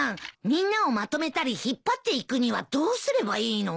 みんなをまとめたり引っ張っていくにはどうすればいいの？